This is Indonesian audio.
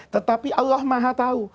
tetapi allah maha tau